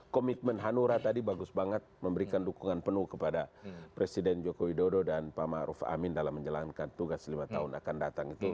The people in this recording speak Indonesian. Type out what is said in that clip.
komitmen hanura tadi bagus banget memberikan dukungan penuh kepada presiden joko widodo dan pak ⁇ maruf ⁇ amin dalam menjalankan tugas lima tahun akan datang itu